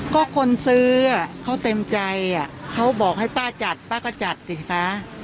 ก็คนซื้อเขาเต็มใจเขาบอกให้ป้าจัดป้าก็จัดสิคะ